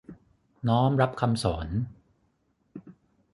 น้อมรับคำสอน